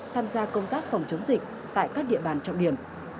tham gia công tác phòng chống dịch tại các địa bàn trọng điểm